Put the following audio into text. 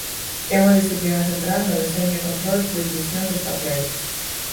É unha disciplina central no deseño e control de misións espaciais.